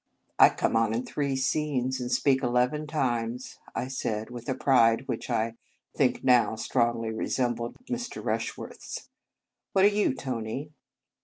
" I come on in three scenes, and speak eleven times," I said, with a pride which I think now strongly resembled Mr. Rush worth s. " What are you, Tony